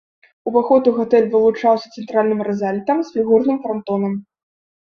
Уваход у гатэль вылучаўся цэнтральным рызалітам з фігурным франтонам.